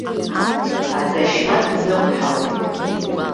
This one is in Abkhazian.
Адашьма днықәҳауеит.